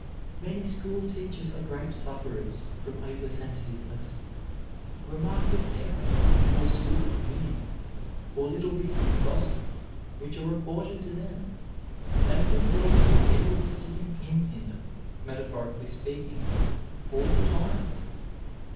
Many schoolteachers are great sufferers from over sensitiveness. Remarks of parents, or school committees, or little bits of gossip which are reported to them make them feel as if people were sticking pins in them, metaphorically speaking, all the time.